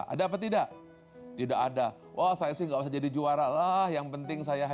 ada apa tidak tidak ada wow saya sih nggak jadi juara lah yang penting saya hanya main